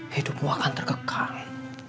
hidupmu akan tergegang